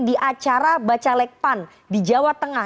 di acara bacalek pan di jawa tengah